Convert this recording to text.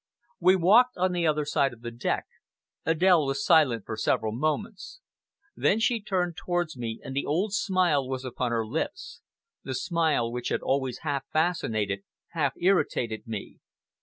..." We walked on the other side of the deck. Adèle was silent for several moments. Then she turned towards me, and the old smile was upon her lips the smile which had always half fascinated, half irritated me.